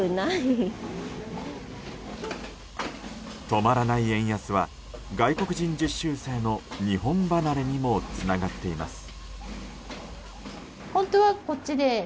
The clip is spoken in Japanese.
止まらない円安は外国人実習生の日本離れにもつながっています。